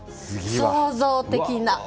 創造的な。